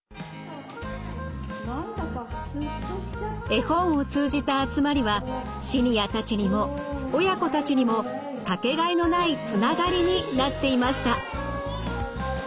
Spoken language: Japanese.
絵本を通じた集まりはシニアたちにも親子たちにも掛けがえのないつながりになっていました。